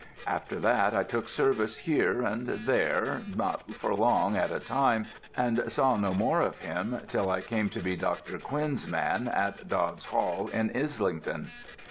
"After that I took service here and there, not for long at a time, and saw no more of him till I came to be Dr. Quinn's man at Dodds Hall in Islington."